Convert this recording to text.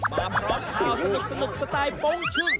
มาพร้อมข่าวสนุกสไตล์โป้งชุ่ม